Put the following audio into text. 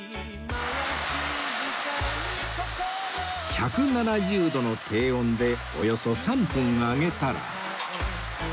１７０度の低温でおよそ３分揚げたら